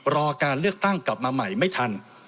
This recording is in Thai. รอการเลือกตั้งกลับมาใหม่ไม่ทัน